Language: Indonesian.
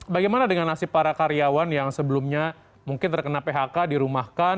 bagaimana dengan nasib para karyawan yang sebelumnya mungkin terkena phk dirumahkan